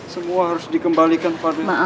semua harus dikembalikan pada yang berhak